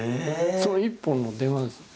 その一本の電話なんです。